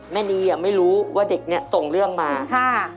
แม่นีอ่ะไม่รู้ว่าเด็กเนี่ยส่งเรื่องมาค่ะ